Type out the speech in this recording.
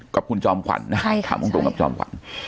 กับคุณจอมขวัญนะถามตรงกับจอมขวัญ